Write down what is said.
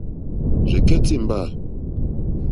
Rzɛ̀kɛ́tɛ́ ìmbâ.